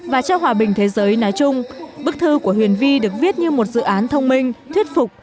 và cho hòa bình thế giới nói chung bức thư của huyền vi được viết như một dự án thông minh thuyết phục